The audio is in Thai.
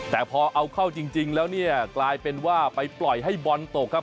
แต่พอเอาเข้าจริงแล้วเนี่ยกลายเป็นว่าไปปล่อยให้บอลตกครับ